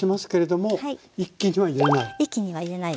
一気には入れない。